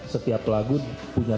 setiap lagu punya